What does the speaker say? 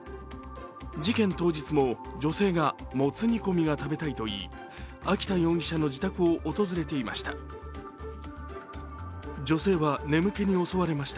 事件当日も女性が、もつ煮込みが食べたいと言い秋田容疑者の自宅を訪れていました。